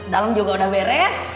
dalam juga udah beres